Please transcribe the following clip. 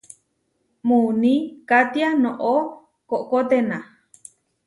Muuní katiá noʼó koʼkoténa.